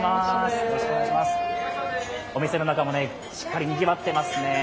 お店の中もしっかりにぎわってますね。